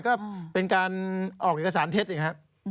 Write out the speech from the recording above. ก็เป็นการออกเอกสารเท็จ